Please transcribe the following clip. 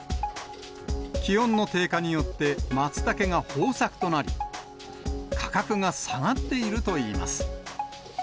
気温の低下によって、マツタケが豊作となり、価格が下がっているといいます。